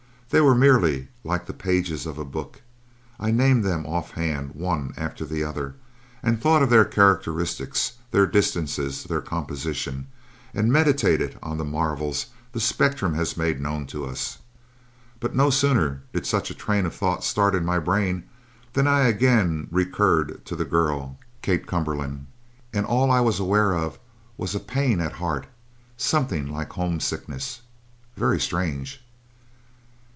They were merely like the pages of a book. I named them off hand, one after the other, and thought of their characteristics, their distances, their composition, and meditated on the marvels the spectrum has made known to us. But no sooner did such a train of thoughts start in my brain, than I again recurred to the girl, Kate Cumberland, and all I was aware of was a pain at heart something like homesickness. Very strange.